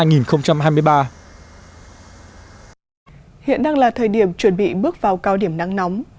hiện đang là thời điểm chuẩn bị bước vào cao điểm nắng nóng